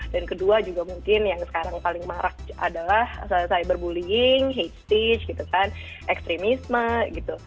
dan kedua juga mungkin yang sekarang paling marah adalah cyberbullying hate speech gitu kan ekstremisme gitu